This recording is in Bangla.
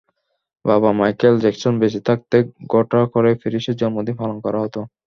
বাবা মাইকেল জ্যাকসন বেঁচে থাকতে ঘটা করেই প্যারিসের জন্মদিন পালন করা হতো।